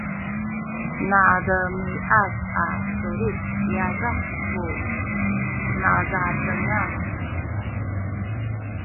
nademiad a sulit yadah ku nazatengan